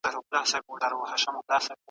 انسان کاینات تسخیر کړي دي.